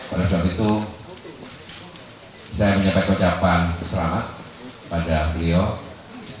oleh sebab itu saya menyampaikan ucapan keselamatan pada beliau sambil kita menunggu